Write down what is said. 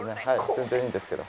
全然いいんですけど。